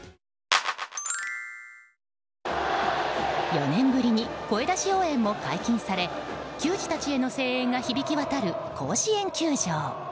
４年ぶりに声出し応援も解禁され球児たちへの声援が響き渡る甲子園球場。